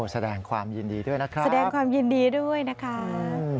แสดงความยินดีด้วยนะครับแสดงความยินดีด้วยนะคะ